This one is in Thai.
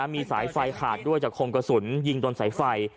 มีสายไฟขาดด้วยจากคมกระสุนยิงโดนสายไฟ